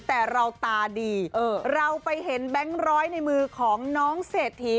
แต่เราตาดีเราไปเห็นแบงค์ร้อยในมือของน้องเศรษฐี